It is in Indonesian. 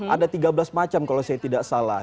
ada tiga belas macam kalau saya tidak salah